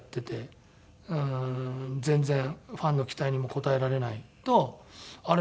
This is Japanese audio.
全然ファンの期待にも応えられないと「あれ？